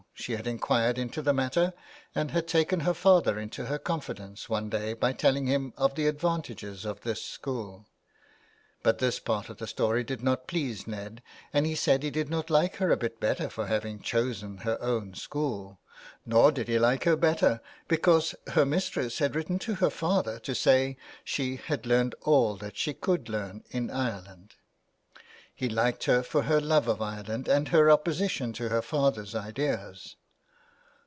She had inquired into the matter, and had taken her father into her confidence one day by telling him of the advantages of this school. But this part of the story did not please Ned, and he said he did not like her a bit better for having chosen 305 U THE WILD GOOSE. her own school. Nor did he like her better because her mistress had written to her father to say she had learned all that she could learn in Ireland. He liked her for her love of Ireland and her opposition to her father's ideas.